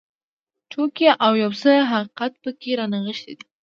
ټوکې او یو څه حقیقت پکې رانغښتی دی.